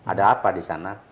ada apa disana